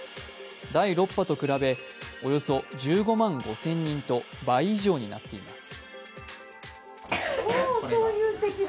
第６波と比べ、およそ１５万５０００人と倍以上になっています。